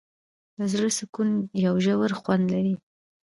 د زړه سکون یو ژور خوند لري.